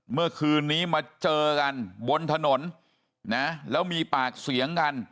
เมื่อคืนนี้มาเจอกันบนถนนนะแล้วมีปากเสียงกัน